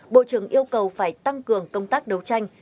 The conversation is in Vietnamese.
bộ trưởng yêu cầu phải tăng cường công tác đấu tranh